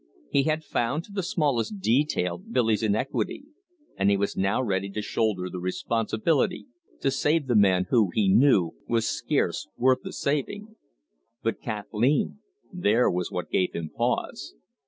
He had found to the smallest detail Billy's iniquity, and he was now ready to shoulder the responsibility, to save the man, who, he knew, was scarce worth the saving. But Kathleen there was what gave him pause.